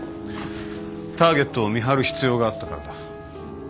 ターゲットを見張る必要があったからだ。